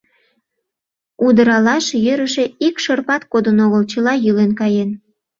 Удыралаш йӧрышӧ ик шырпат кодын огыл, чыла йӱлен каен.